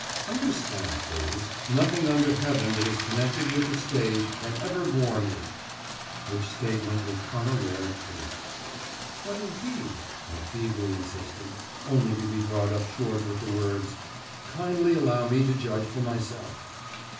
"Understand, please, nothing under heaven that is connected with the stage can ever bore me." Which statement was unalloyed truth. "But, indeed," I feebly insisted, only to be brought up short with the words, "Kindly allow me to judge for myself."